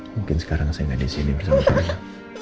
mungkin sekarang saya gak disini bersama kak karennya